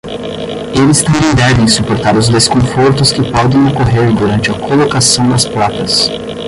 Eles também devem suportar os desconfortos que podem ocorrer durante a colocação das placas.